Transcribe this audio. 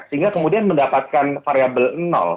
sehingga kemudian mendapatkan variable